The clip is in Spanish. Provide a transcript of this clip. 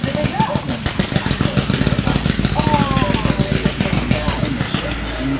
Este torneo reemplazará al Campeonato Nacional de Fútbol Femenino.